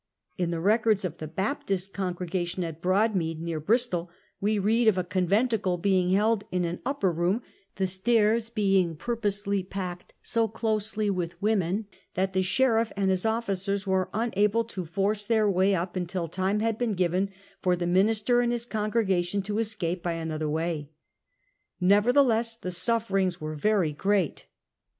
In the records of the Baptist congregation at Broadmead, near Bristol, we read of a conventicle being held in an upper room, the stairs being purposely packed so closely with women that the sheriff and his officers were unable to force their way up until time had been given for the minister and his con gregation to escape by another way. Nevertheless the sufferings were very great.